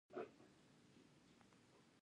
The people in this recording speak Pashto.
غزني د افغان ماشومانو د زده کړې موضوع ده.